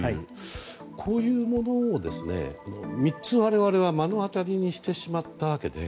こういうものを３つ、我々は目の当たりにしてしまったわけで。